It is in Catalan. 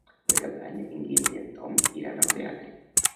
Per Cap d'Any en Guim i en Tom iran al teatre.